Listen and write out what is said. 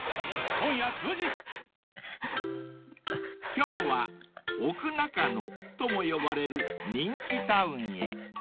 ［今日は奥中野とも呼ばれる人気タウンへ］